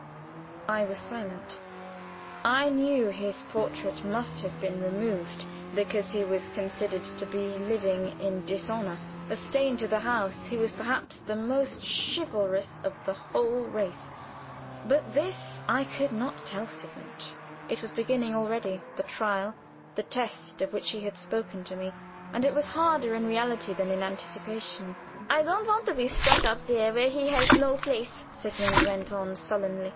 I was silent. I knew his portrait must have been removed because he was considered to be living in dishonor a stain to the house, who was perhaps the most chivalrous of the whole race; but this I could not tell Sigmund. It was beginning already, the trial, the "test" of which he had spoken to me, and it was harder in reality than in anticipation. "I don't want to be stuck up there where he has no place," Sigmund went on, sullenly.